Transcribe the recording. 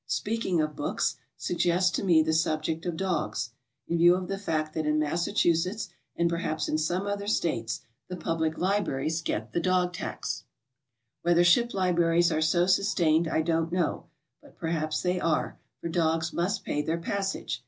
Speaking of books suggests to me the subject of dogs, in view of the fact that in Massachusetts and perhaps in some other States the public libraries get the dog tax. 50 GOING ABROAD? Whether ship libraries are so sustained I don't kno w, but perhaps they are, for dogs must pay their passage.